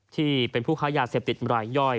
ที่เป็นผู้ค้ายาเสพติดรายย่อย